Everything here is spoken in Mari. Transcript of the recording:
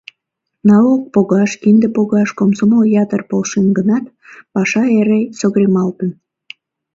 Налог погаш, кинде погаш комсомол ятыр полшен гынат, паша эре согремалтын.